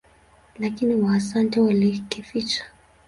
Lakini Waasante walikificha.